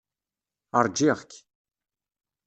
Ṛjiɣ-k.